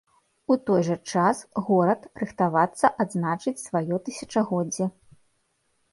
У той жа час горад рыхтавацца адзначыць сваё тысячагоддзе.